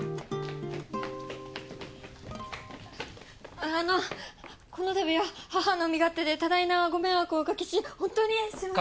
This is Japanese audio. あのこのたびは母の身勝手で多大なご迷惑をおかけし本当にすみません。